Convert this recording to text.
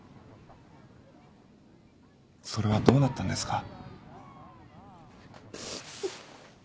それはどうなったんですか？